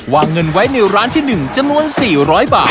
วางเงินไว้ในร้านที่๑จำนวน๔๐๐บาท